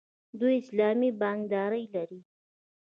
دوی اسلامي بانکداري لري.